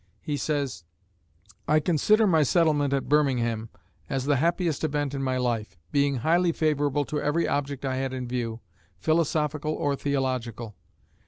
He says: I consider my settlement at Birmingham as the happiest event in my life; being highly favourable to every object I had in view, philosophical or theological.